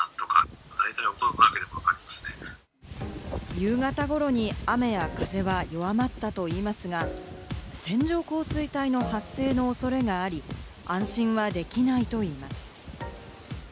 夕方頃に雨や風は弱まったといいますが、線状降水帯の発生のおそれがあり、安心はできないといいます。